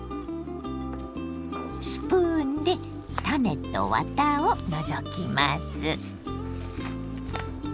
スプーンで種とワタを除きます。